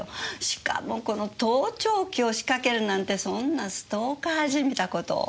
しかもこの盗聴器を仕掛けるなんてそんなストーカーじみた事を。